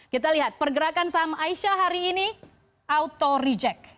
kita lihat pergerakan saham aisyah hari ini auto reject